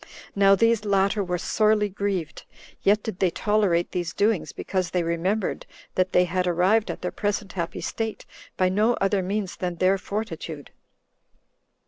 Now these latter were sorely grieved, yet did they tolerate these doings, because they remembered that they had arrived at their present happy state by no other means than their fortitude.